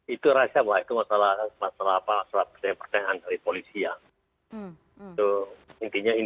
itu rasa bahwa itu masalah percayaan dari polisian